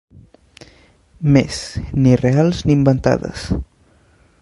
Mes, ni reals ni inventades